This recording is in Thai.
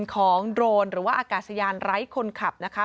โดรนหรือว่าอากาศยานไร้คนขับนะคะ